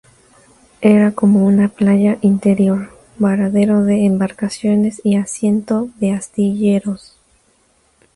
Era como una playa interior, varadero de embarcaciones y asiento de astilleros.